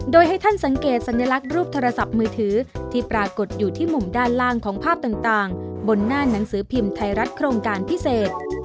โดยให้ท่านสังเกตสัญลักษณ์รูปโทรศัพท์มือถือที่ปรากฏอยู่ที่มุมด้านล่างของภาพต่างบนหน้าหนังสือพิมพ์ไทยรัฐโครงการพิเศษ